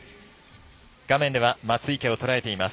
画面では松生をとらえています。